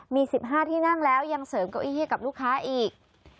มี๑๕ที่นั่งแล้วยังเสริมเก้าอี้ให้กับลูกค้าอีก